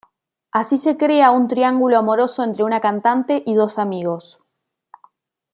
Así se crea un triángulo amoroso entre una cantante y dos amigos.